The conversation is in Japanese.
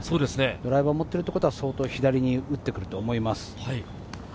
ドライバーを持っているということは、相当左に打ってくると思います。